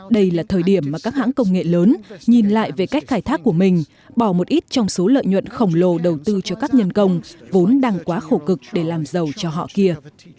đây là thời điểm mà các hãng công nghệ lớn nhìn lại về cách khai thác của mình bỏ một ít trong số lợi nhuận khổng lồ đầu tư cho các nhân công vốn đang quá khổ cực để làm giàu cho họ kia